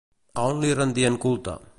A on li rendien culte?